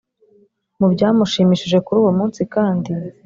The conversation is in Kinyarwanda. Mu byamushimishije kuri uwo munsi kandi